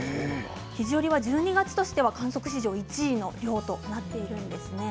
肘折は１２月としては観測史上１位の量となっているんですね。